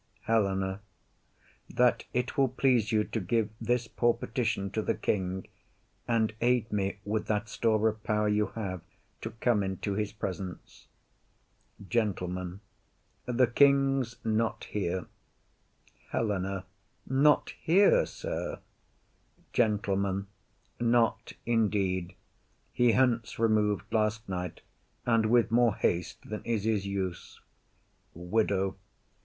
HELENA. That it will please you To give this poor petition to the king, And aid me with that store of power you have To come into his presence. GENTLEMAN. The king's not here. HELENA. Not here, sir? GENTLEMAN. Not indeed. He hence remov'd last night, and with more haste Than is his use. WIDOW.